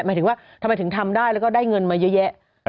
หมายถึงว่าทำไมถึงทำได้แล้วก็ได้เงินมาเยอะแยะ